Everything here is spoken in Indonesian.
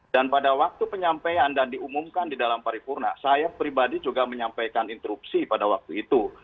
dan pada waktu penyampaian dan diumumkan di dalam paripurna saya pribadi juga menyampaikan interupsi pada waktu itu